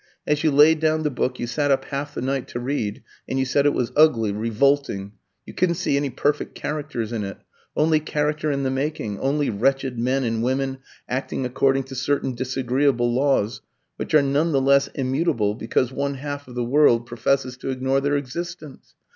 as you laid down the book you sat up half the night to read, and you said it was ugly, revolting; you couldn't see any perfect characters in it only character in the making, only wretched men and women acting according to certain disagreeable laws, which are none the less immutable because one half of the world professes to ignore their existence.